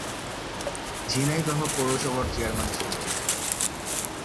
ঝিনাইদহ পৌরসভার চেয়ারম্যান ছিলেন তিনি।